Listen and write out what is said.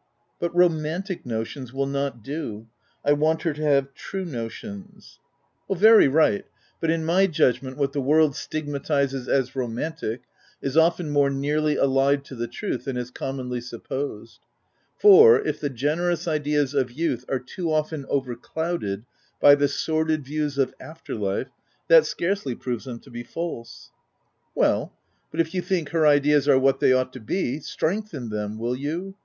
u But romantic notions will not do : I want her to have true notions." 246 THE TENANT " Very right, but in my judgment, what the world stigmatizes as romantic, is often more nearly allied to the truth than is commonly sup posed; for, if the generous ideas of youth are too often overclouded by the sordid views of after life, that scarcely proves them to be false/' " Well, but if you think her ideas are what they ought to be, strengthen them, will you